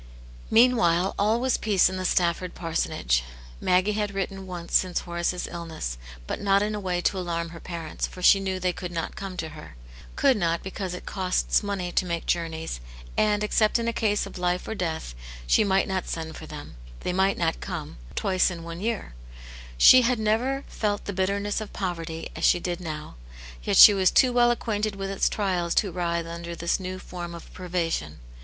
Meanwhile all was peace in the Stafford parsonage; Maggie had written once since Horace's illness, but not in a way to alarm her parents, for she knew they could not come to her. Could not, because it costs money to make journeys, and, except in a case of life or death, she might not send for them, they might not come, twice in one year. She had never Mt the bitterness of poverty as she did now ; yet she was too well acquainted with its trials to writhe under this new form of privation.